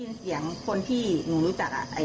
เห็นเสียงคนที่หนูรู้จักอ่ะ